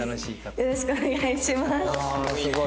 よろしくお願いします。